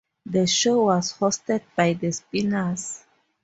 The show was hosted by The Spinners.